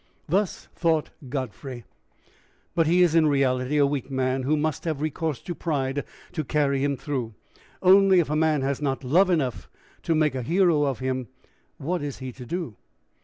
Thus thought Godfrey; but he is in reality a weak man who must have recourse to pride to carry him through. Only, if a man has not love enough to make a hero of him, what is he to do?